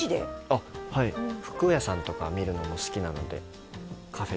あっはい服屋さんとか見るのも好きなのでカフェ